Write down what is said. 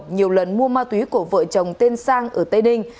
nhiều lần mua ma túy của vợ chồng tên sang ở tây ninh